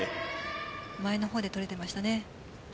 前の方で取れていましたね。